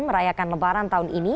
merayakan lebaran tahun ini